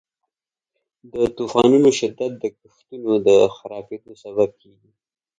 د طوفانونو شدت د کښتونو د خرابیدو سبب کیږي.